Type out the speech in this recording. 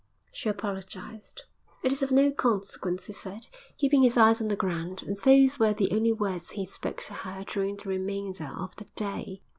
She apologised. 'It is of no consequence,' he said, keeping his eyes on the ground. And those were the only words he spoke to her during the remainder of the day.